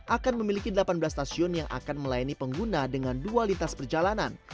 akan memiliki delapan belas stasiun yang akan melayani pengguna dengan dua lintas perjalanan